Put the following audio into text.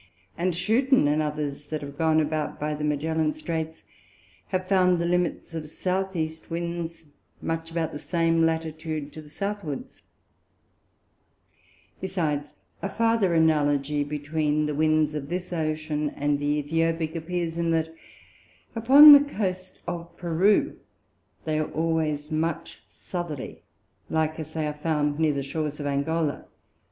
And Schooten and others that have gone about by the Magellan Streights, have found the Limits of S. E. Winds, much about the same Latitude to the Southwards; besides a farther Analogy between the Winds of this Ocean, and the Æthiopick, appears in that, upon the Coast of Peru, they are always much Southerly, like as they are found near the Shoars of Angola.